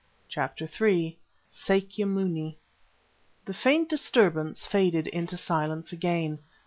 CHAPTER III "SAKYA MUNI" The faint disturbance faded into silence again.